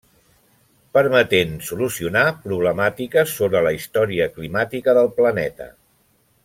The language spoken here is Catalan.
Permetent solucionar problemàtiques sobre la història climàtica del planeta.